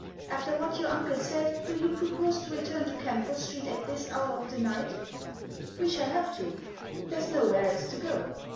After what your uncle said, do you propose to return to Camford Street at this hour of the night?" " We shall have to. There's nowhere else to go.